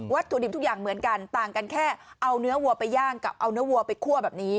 ถุดิบทุกอย่างเหมือนกันต่างกันแค่เอาเนื้อวัวไปย่างกับเอาเนื้อวัวไปคั่วแบบนี้